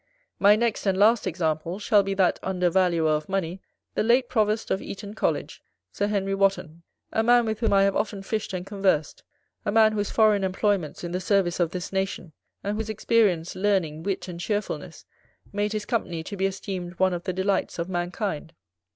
My next and last example shall be that under valuer of money, the late provost of Eton College, Sir Henry Wotton, a man with whom I have often fished and conversed, a man whose foreign employments in the service of this nation, and whose experience, learning, wit, and cheerfulness, made his company to be esteemed one of the delights of mankind.